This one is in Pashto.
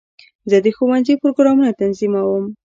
زه د ښوونځي پروګرامونه تنظیموم.